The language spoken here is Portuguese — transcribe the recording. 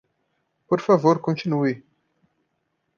Por favor continue.